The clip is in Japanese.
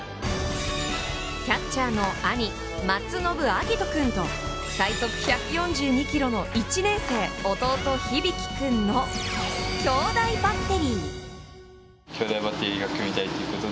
キャッチャーの兄・松延晶音君と最速１４２キロの１年生、弟・響君の兄弟バッテリー。